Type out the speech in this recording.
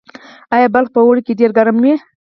آیا بلخ په اوړي کې ډیر ګرم وي؟